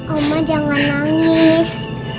oma jangan nangis